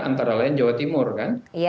antara lain jawa timur kan